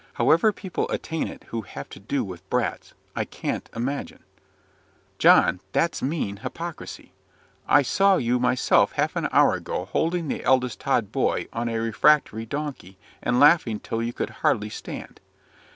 However people attain it who have to do with brats, I can't imagine." "John! that's mean hypocrisy. I saw you myself half an hour ago holding the eldest Tod boy on a refractory donkey, and laughing till you could hardly stand."